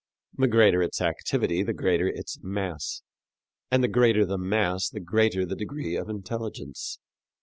The greater its activity the greater its mass, and the greater the mass the greater the degree of intelligence.